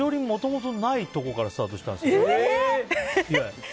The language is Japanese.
もともとないところからスタートしたんです。